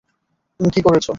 তুমি কী করেছ?